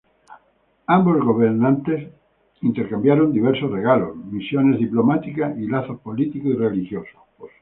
Ambos gobernantes intercambiaron diversos regalos, misiones diplomáticas y lazos políticos y religiosos.